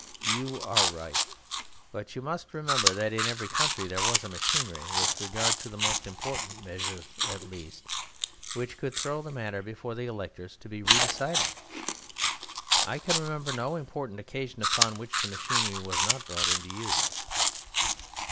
You are right. But you must remember that in every country there was a machinery, with regard to the most important measures at least, which could throw the matter before the electors to be re decided. I can remember no important occasion upon which the machinery was not brought into use."